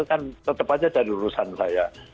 kan tetap aja dari urusan saya